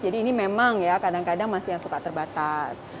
jadi ini memang ya kadang kadang masih yang suka terbatas